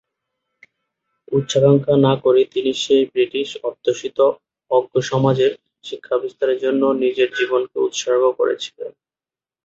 উচ্চাকাঙ্ক্ষা না করেই তিনি সেই ব্রিটিশ অধ্যুষিত অজ্ঞ সমাজে শিক্ষা বিস্তারের জন্য নিজের জীবনকে উৎসর্গ করেছিলেন।